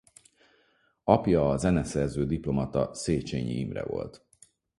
Apja a zeneszerző-diplomata Széchényi Imre volt.